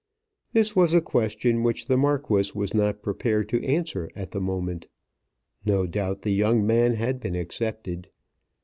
This was a question which the Marquis was not prepared to answer at the moment. No doubt the young man had been accepted.